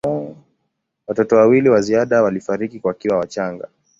Watoto wawili wa ziada walifariki wakiwa wachanga.